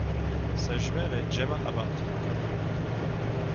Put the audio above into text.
Sa jumelle est Gemma Abant Condal.